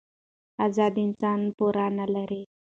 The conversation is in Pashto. ازاد انسان پور نه لري.